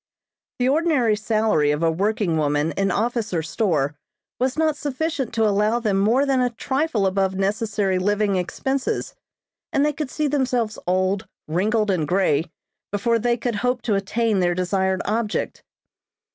The ordinary salary of a working woman in office or store was not sufficient to allow them more than a trifle above necessary living expenses, and they could see themselves old, wrinkled and grey before they could hope to attain their desired object.